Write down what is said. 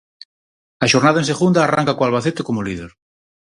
A xornada en segunda arranca co Albacete como líder.